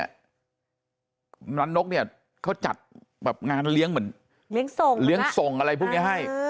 กำนัดนกเขาจัดงานเลี้ยงเหมือนเลี้ยงส่งอะไรพวกนี้ให้